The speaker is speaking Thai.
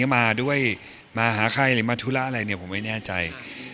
มาด้วยมาหาใครหรือมาธุระอะไรเนี่ยผมไม่แน่ใจ